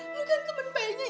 lo kan temen baiknya ian